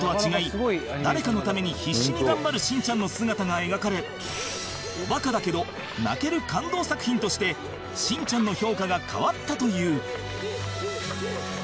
誰かのために必死に頑張るしんちゃんの姿が描かれおバカだけど泣ける感動作品として『しんちゃん』の評価が変わったという